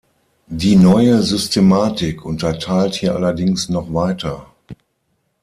Die neue Systematik unterteilt hier allerdings noch weiter.